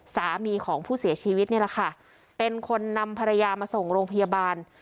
สามีของผู้เสียชีวิตนี่แหละค่ะเป็นคนนำภรรยามาส่งโรงพยาบาล